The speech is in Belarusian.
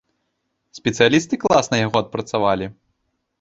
Спецыялісты класна яго адпрацавалі.